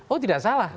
oh tidak salah